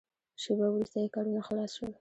شېبه وروسته یې کارونه خلاص شول.